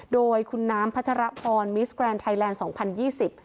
โดยคุณน้ำพัชรพรมิสแกรนดไทยแลนด์สองพันยี่สิบ